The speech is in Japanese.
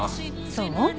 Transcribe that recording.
そう？